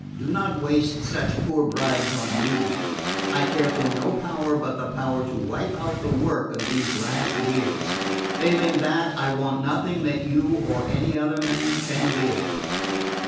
"Do not waste such poor bribes on me. I care for no power but the power to wipe out the work of these last years. Failing that, I want nothing that you or any other man can give."